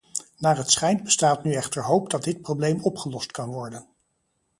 Naar het schijnt bestaat nu echter hoop dat dit probleem opgelost kan worden.